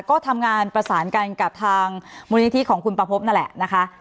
ก็ทำงานประสานกันกับทางมูลนิธิของคุณประพบนั่นแหละนะคะ